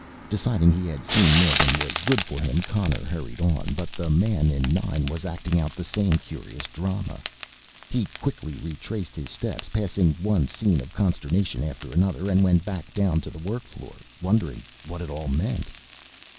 Deciding he had seen more than was good for him, Connor hurried on. But the man in Nine was acting out the same curious drama. He quickly retraced his steps, passing one scene of consternation after another, and went back down to the work floor, wondering what it all meant.